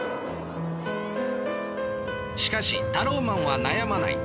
しかしタローマンは悩まない。